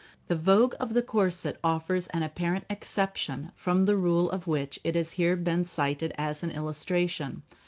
The vogue of the corset offers an apparent exception from the rule of which it has here been cited as an illustration.